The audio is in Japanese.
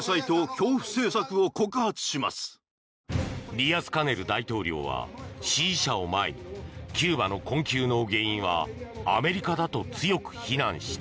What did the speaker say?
ディアスカネル大統領は支持者を前にキューバの困窮の原因はアメリカだと強く非難した。